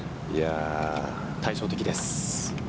対照的です。